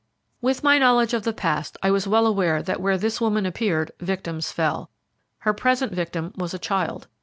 With my knowledge of the past, I was well aware that where this woman appeared victims fell. Her present victim was a child.